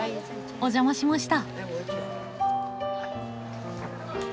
お邪魔しました。